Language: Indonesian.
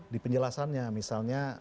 di penjelasannya misalnya